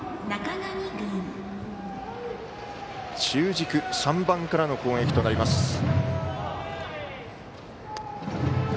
中軸３番からの攻撃となります。